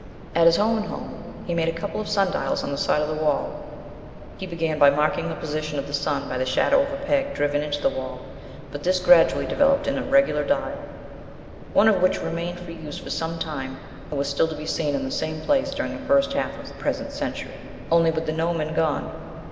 At his own home he made a couple of sundials on the side of the wall (he began by marking the position of the sun by the shadow of a peg driven into the wall, but this gradually developed into a regular dial) one of which remained of use for some time; and was still to be seen in the same place during the first half of the present century, only with the gnomon gone.